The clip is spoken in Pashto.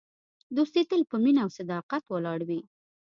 دوستي تل په مینه او صداقت ولاړه وي.